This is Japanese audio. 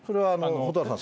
蛍原さん